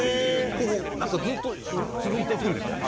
こうなんかずっと続いていくみたいな。